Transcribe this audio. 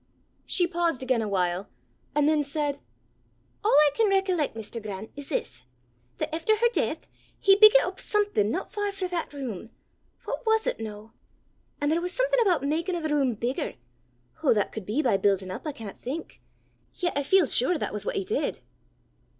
She paused again awhile, and then said: "All I can recollec', Mr. Grant, is this: that efter her deith, he biggit up something no far frae that room! what was 't noo? an' there was something aboot makin' o' the room bigger! Hoo that could be by buildin' up, I canna think! Yet I feel sure that was what he did!"